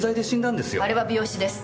あれは病死です。